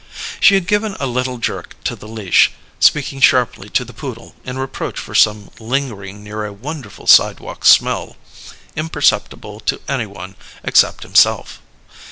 She had given a little jerk to the leash, speaking sharply to the poodle in reproach for some lingering near a wonderful sidewalk smell, imperceptible to any one except himself.